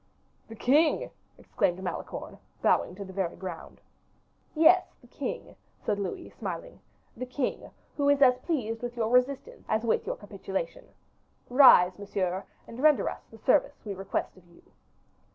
"The king!" exclaimed Malicorne, bowing to the very ground. "Yes, the king," said Louis, smiling: "the king, who is as pleased with your resistance as with your capitulation. Rise, monsieur, and render us the service we request of you."